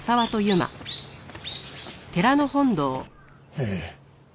ええ。